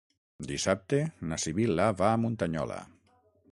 Dissabte na Sibil·la va a Muntanyola.